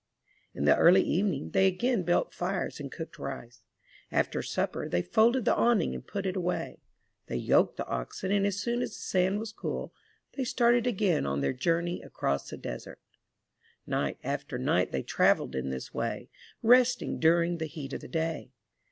In the early evening, they again built fires and cooked rice. After supper, they folded the awning and put it away. They yoked the oxen and as soon as the sand was cool, they started again on their journey across the desert. Night after night they traveled in this way, resting during the heat of the day.